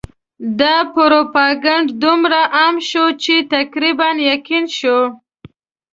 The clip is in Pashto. دا پروپاګند دومره عام شو چې تقریباً یقین شو.